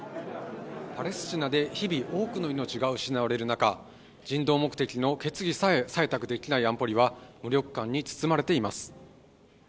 パレスチナで日々多くの命が失われる中人道目的の決議さえ採択できない安保理は無力感に包まれています